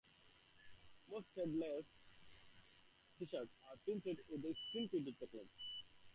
Most Threadless t-shirts are printed with the screen printing technique.